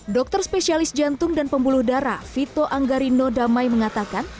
dokter spesialis jantung dan pembuluh darah vito anggarino damai mengatakan